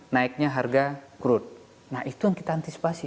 nah itu yang kita antisipasi